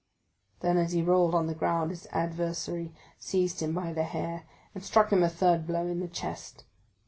Then, as he rolled on the ground, his adversary seized him by the hair, and struck him a third blow in the chest.